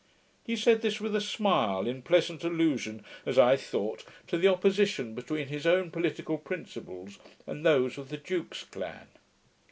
He said this with a smile, in pleasant allusion, as I thought, to the opposition between his own political principles and those of the duke's clan.